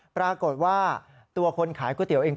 ปรากฏว่าตัวคนขายก๋วยเตี๋ยเอง